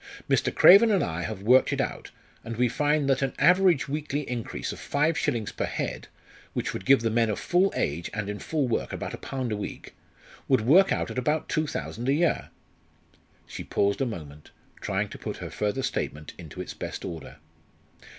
Mr. Craven and I have worked it out, and we find that an average weekly increase of five shillings per head which would give the men of full age and in full work about a pound a week would work out at about two thousand a year." She paused a moment, trying to put her further statement into its best order.